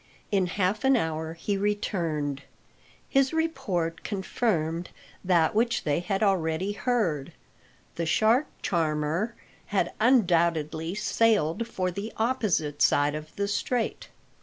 In half an hour he returned. His report confirmed that which they had already heard. The shark charmer had undoubtedly sailed for the opposite side of the Strait.